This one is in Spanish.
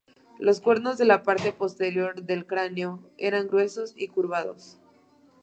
Los cuernos de la parte posterior del cráneo eran gruesos y curvados.